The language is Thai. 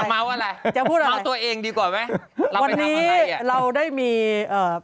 เมาส์อะไรจะพูดอะไรเมาตัวเองดีกว่าไหมวันนี้เราได้มีเอ่อ